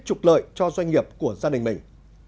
trục lợi cho doanh nghiệp của gia đình mình